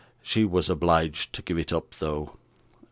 She was obliged to give it up though.